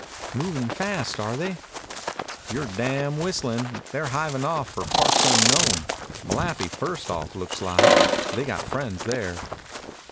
"Movin' fast, are they?" "You're damn whistlin'. They're hivin' off for parts unknown. Malapi first off, looks like. They got friends there."